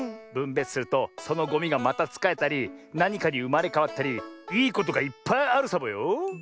ぶんべつするとそのゴミがまたつかえたりなにかにうまれかわったりいいことがいっぱいあるサボよ。